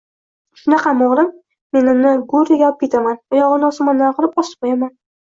Shunaqami, oʻgʻlim?! Men uni Guriyaga opketaman, oyogʻini osmonga qilib osib qoʻyaman.